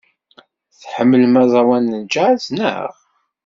Tḥemmlem aẓawan n jazz, naɣ?